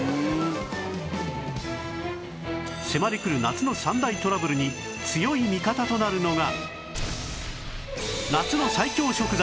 迫り来る夏の３大トラブルに強い味方となるのが